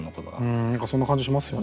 うん何かそんな感じしますよね。